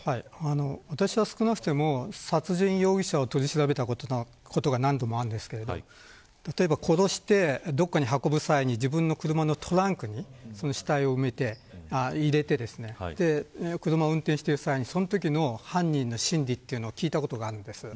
私は少なくとも殺人容疑者を取り調べたことが何度もありますが例えば、殺してどこかに運ぶ際自分の車のトランクに死体を入れて車を運転してる際そのときの犯人の心理を聞いたことがあるんです。